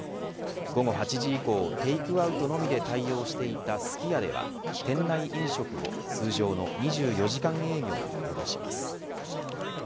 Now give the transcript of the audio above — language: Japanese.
午後８時以降、テイクアウトのみで対応していたすき家では店内飲食を通常の２４時間営業に戻します。